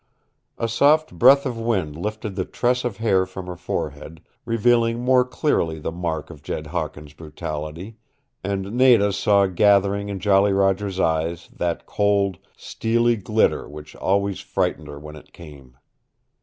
A soft breath of wind lifted the tress of hair from her forehead, revealing more clearly the mark of Jed Hawkins' brutality, and Nada saw gathering in Jolly Roger's eyes that cold, steely glitter which always frightened her when it came.